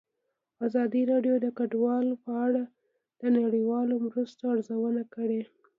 ازادي راډیو د کډوال په اړه د نړیوالو مرستو ارزونه کړې.